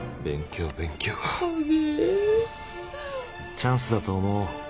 チャンスだと思おう。